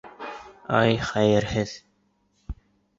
Ай, хәйерһеҙ!